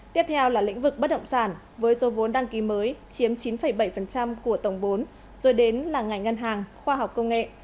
tiếp theo là lĩnh vực bất động sản với số vốn đăng ký mới chiếm chín bảy của tổng vốn rồi đến là ngành ngân hàng khoa học công nghệ